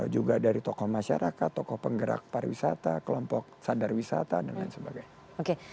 juga dari tokoh masyarakat tokoh penggerak pariwisata kelompok sadar wisata dan lain sebagainya